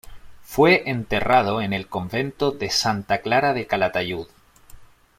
Fue enterrado en el convento de Santa Clara de Calatayud.